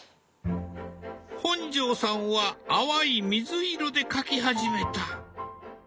本上さんは淡い水色で描き始めた。